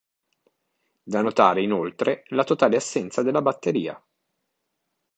Da notare inoltre, la totale assenza della batteria.